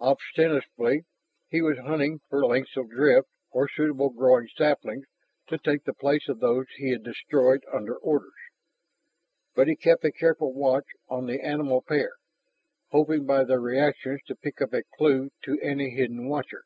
Ostensibly he was hunting for lengths of drift or suitable growing saplings to take the place of those he had destroyed under orders. But he kept a careful watch on the animal pair, hoping by their reactions to pick up a clue to any hidden watcher.